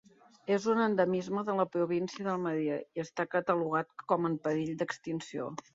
És un endemisme de la província d'Almeria i està catalogat com en perill d'extinció.